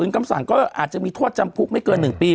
คำสั่งก็อาจจะมีโทษจำคุกไม่เกิน๑ปี